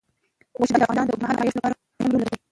غوښې د افغانستان د اوږدمهاله پایښت لپاره مهم رول لري.